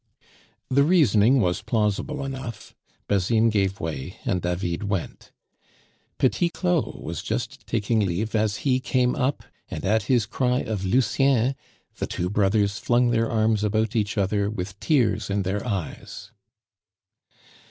The reasoning was plausible enough; Basine gave way, and David went. Petit Claud was just taking leave as he came up and at his cry of "Lucien!" the two brothers flung their arms about each other with tears in their eyes.